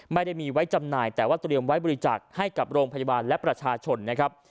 ไม่ได้มีไว้จำหน่ายแต่ว่าเตรียมไว้บริจาคให้กับโรงพยาบาลและประชาชนนะครับ